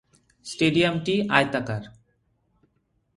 স্টেডিয়ামটি আয়তাকার।